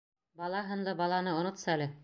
Бала һынлы баланы онотсәле.